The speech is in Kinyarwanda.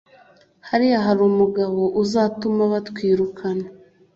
Hariya hari mumugabo uzatuma batwirukana